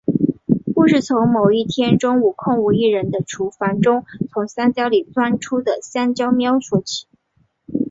故事从某一天中午空无一人的厨房中从香蕉里钻出的香蕉喵说起。